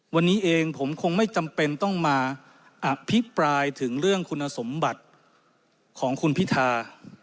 วันนี้เองผมคงไม่จำเป็นต้องมาอภิปรายถึงเรื่องคุณสมบัติของคุณพิธา